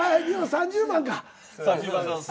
３０番です。